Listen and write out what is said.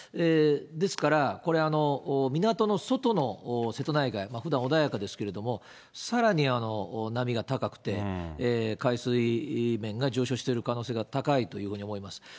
ですから、これ、港の外の瀬戸内海、ふだん穏やかですけれども、さらに波が高くて、海水面が上昇している可能性が高いと思います。